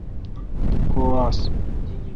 کو آس۔